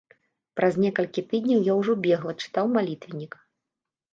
Праз некалькі тыдняў я ўжо бегла чытаў малітвеннік.